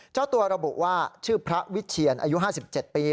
เจ้าตัวระบุว่าชื่อพระวิเชียนอายุ๕๗ปี